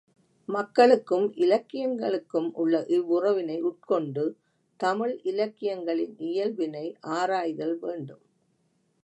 மக்களுக்கும் இலக்கியங்களுக்கும் உள்ள இவ்வுறவினை உட்கொண்டு தமிழ் இலக்கியங்களின் இயல்பினை ஆராய்தல் வேண்டும்.